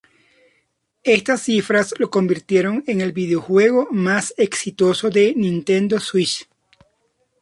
Estas cifras lo convirtieron en el videojuego más exitoso de Nintendo Switch.